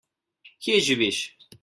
Kje živiš?